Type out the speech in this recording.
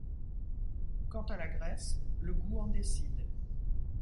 Quant à la graisse, le gout en décide.